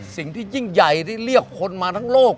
สิ่งที่ยิ่งใหญ่ที่เรียกคนมาทั้งโลก